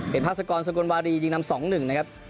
เป็นพาสกรสกลวารียิงนำ๒๑นะครับ